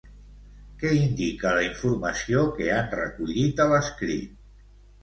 Què indica la informació que han recollit a l'escrit?